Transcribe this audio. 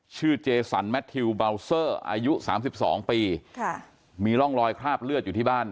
ชื่อเจสันแมททิวบาวเซอร์อายุ๓๒ปีมีร่องรอยคราบเลือดอยู่ที่บ้าน